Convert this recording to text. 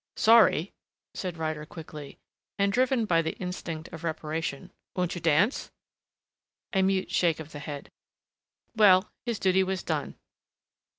"Sorry," said Ryder quickly, and driven by the instinct of reparation. "Won't you dance?" A mute shake of the head. Well, his duty was done.